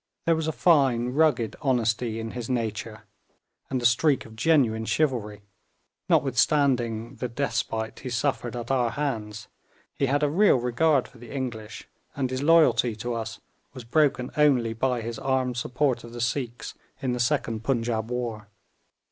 There was a fine rugged honesty in his nature, and a streak of genuine chivalry; notwithstanding the despite he suffered at our hands, he had a real regard for the English, and his loyalty to us was broken only by his armed support of the Sikhs in the second Punjaub war.